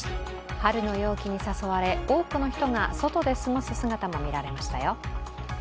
春の陽気に誘われ多くの人が外で過ごす姿も見られましたよ。